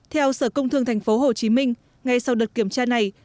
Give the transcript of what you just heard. theo sở công thương thành phố hồ chí minh ngay sau đợt kiểm tra này